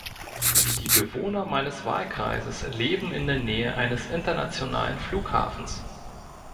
Die Bewohner meines Wahlkreises leben in der Nähe eines internationalen Flughafens.